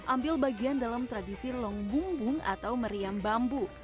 ambil bagian dalam tradisi longbung atau meriam bambu